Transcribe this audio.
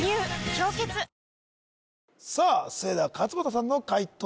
「氷結」さあそれでは勝間田さんの解答